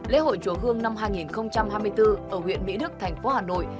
lễ hội chùa hương năm hai nghìn hai mươi bốn ở huyện mỹ đức thành phố hà nội